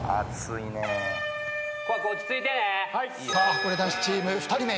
はこね男子チーム２人目